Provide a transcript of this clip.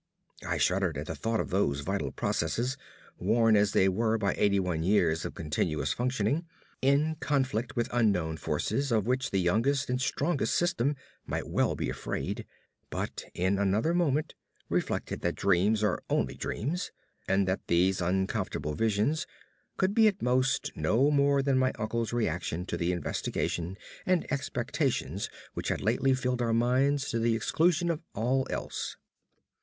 I shuddered at the thought of those vital processes, worn as they were by eighty one years of continuous functioning, in conflict with unknown forces of which the youngest and strongest system might well be afraid; but in another moment reflected that dreams are only dreams, and that these uncomfortable visions could be, at most, no more than my uncle's reaction to the investigations and expectations which had lately filled our minds to the exclusion of all else.